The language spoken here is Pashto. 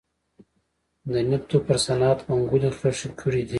د نفتو پر صنعت منګولې خښې کړې دي.